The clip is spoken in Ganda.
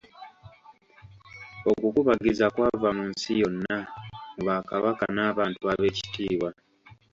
Okukubagiza kwava mu nsi yonna mu bakabaka n'abantu ab'ekitiibwa.